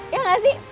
ya gak sih